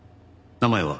名前は？